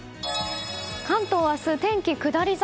関東明日、天気下り坂。